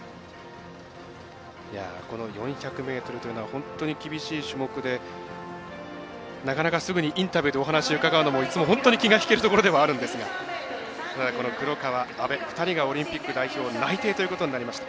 この４００ｍというのは本当に厳しい種目でなかなか、すぐにインタビューでお話伺うのもいつも本当に気が引けるところではあるんですが黒川、安部、２人がオリンピック代表内定ということになりました。